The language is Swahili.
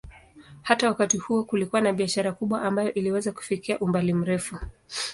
Hata wakati huo kulikuwa na biashara kubwa ambayo iliweza kufikia umbali mrefu.